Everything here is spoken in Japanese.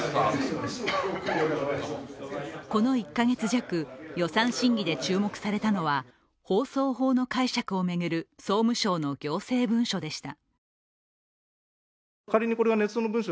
この１か月弱、予算審議で注目されたのは放送法の解釈を巡る総務省の行政文書でした。